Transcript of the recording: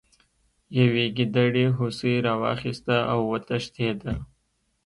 یوې ګیدړې هوسۍ راواخیسته او وتښتیده.